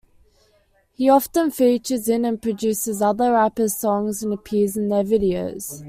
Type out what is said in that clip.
He often features in and produces other rappers' songs, and appears in their videos.